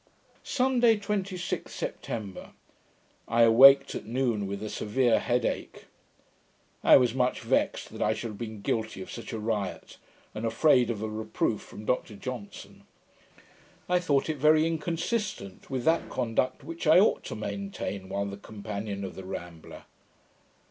Sunday, 26th September I awaked at noon, with a severe head ach. I was much vexed that I should have been guilty of such a riot, and afraid of a reproof from Dr Johnson. I thought it very inconsistent with that conduct which I ought to maintain, while the companion of the Rambler.